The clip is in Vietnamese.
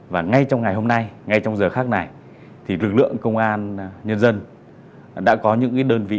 và ngay trong ngày hôm nay ngay trong giờ khác này thì lực lượng công an nhân dân đã có những đơn vị